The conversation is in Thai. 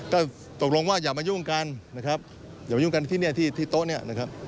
ก็ตกลงว่าอย่ามายุ่งกันนะครับอย่ามายุ่งกันที่เนี่ยที่โต๊ะเนี่ยนะครับ